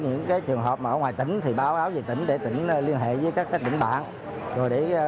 những cái trường hợp mà ở ngoài tỉnh thì báo báo về tỉnh để tỉnh liên hệ với các các định bản rồi